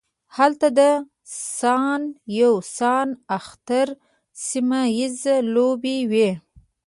هلته د سان یو سان اختر سیمه ییزې لوبې وې.